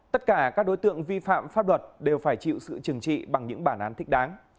tất cả các đối tượng vi phạm pháp luật đều phải chịu sự trừng trị bằng những bản án thích đáng